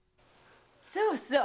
そうそう。